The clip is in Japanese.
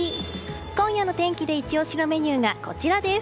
今夜の天気でイチ押しのメニューがこちらです。